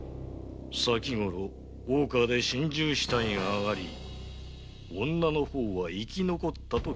先ごろ大川で心中死体があがり女の方は生き残ったと聞いております。